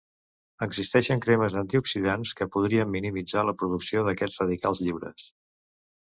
Existeixen cremes antioxidants que podrien minimitzar la producció d'aquests radicals lliures.